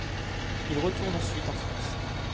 Il retourne ensuite en France.